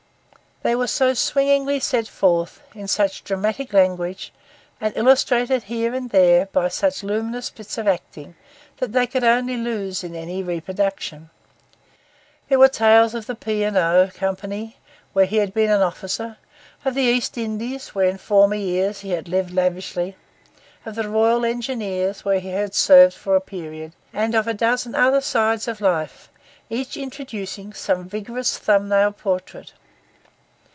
They were so swingingly set forth, in such dramatic language, and illustrated here and there by such luminous bits of acting, that they could only lose in any reproduction. There were tales of the P. and O. Company, where he had been an officer; of the East Indies, where in former years he had lived lavishly; of the Royal Engineers, where he had served for a period; and of a dozen other sides of life, each introducing some vigorous thumb nail portrait.